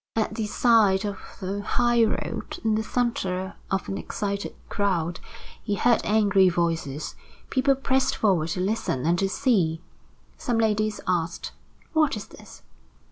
At the side of the highroad, in the center of an excited crowd, he heard angry voices. People pressed forward to listen and to see. Some ladies asked: "What is this?"